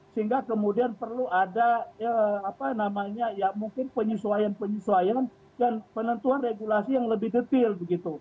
sehingga kemudian perlu ada apa namanya ya mungkin penyesuaian penyesuaian dan penentuan regulasi yang lebih detail begitu